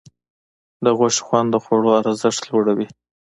د غوښې خوند د خوړو ارزښت لوړوي.